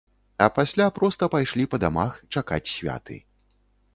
А пасля проста пайшлі па дамах, чакаць святы.